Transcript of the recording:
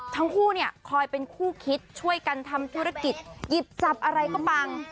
ทั้งคู่เนี่ยคอยเป็นคู่คิดช่วยกันทำธุรกิจหยิบจับอะไรก็ปัง